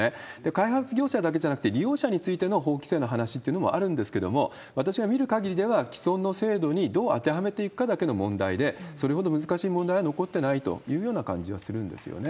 開発業者だけじゃなくて、利用者についての法規制の話というのもあるんですけれども、私が見る限りでは、既存の制度にどう当てはめていくかだけの問題で、それほど難しい問題は残ってないというような感じはするんですよね。